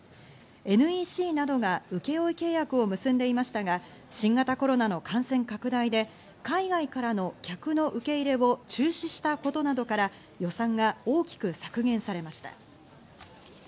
ＮＥＣなどが請負契約を結んでいましたが、新型コロナの感染拡大で海外からの客の受け入れを中止したことなどから予算が大きく削減されました。